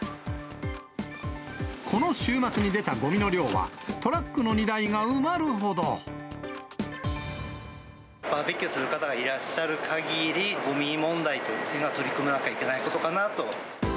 この週末に出たごみの量は、バーベキューする方がいらっしゃるかぎり、ごみ問題というのは取り組まなきゃいけないことかなと。